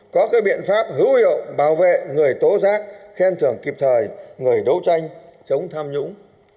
có các biện pháp hữu hiệu bảo vệ người tố giác khen thưởng kịp thời người đấu tranh chống tham nhũng